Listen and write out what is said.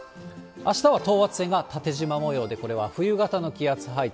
あしたは等圧線が縦じま模様で、これは冬型の気圧配置。